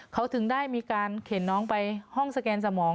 เขาถึงได้มีการเข็นน้องไปห้องสแกนสมอง